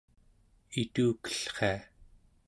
itukellria